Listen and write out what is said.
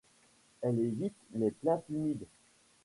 Elle évite les plaines humides.